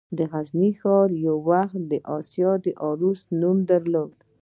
د غزني ښار یو وخت د «د اسیا عروس» نوم درلود